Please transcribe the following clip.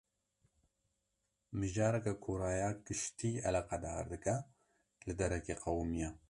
Mijareke ku raya giştî eleqedar dike, li derekê qewimiye